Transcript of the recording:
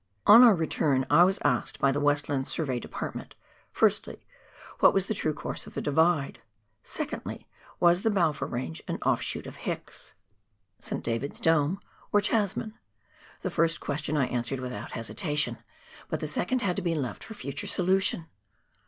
On our return I was asked by the Westland Survey Depart ment — firstly, what was the true course of the Divide ? Secondly, was the Balfour Range an olfshoot of Hicks (St. 152 PIONEER WOEK IN THE ALPS OF NEW ZEALAND. David's Dome) or Tasman ? The first question I answered without hesitation, but the second had to be left for future solution.